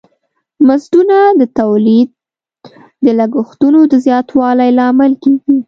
مزدونه د تولید د لګښتونو د زیاتوالی لامل کیږی.